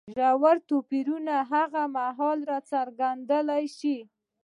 ژور توپیرونه هغه مهال راڅرګند شول.